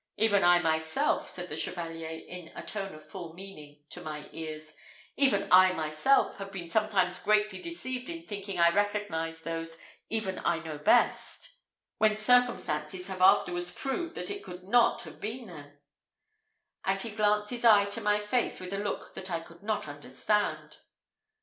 "Even I myself," said the Chevalier, in a tone full of meaning to my ears "even I myself have been sometimes greatly deceived in thinking I recognised those even I know best, when circumstances have afterwards proved that it could not have been them" and he glanced his eye to my face with a look that I could not misunderstand.